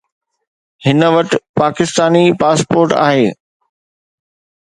هن وٽ پاڪستاني پاسپورٽ آهي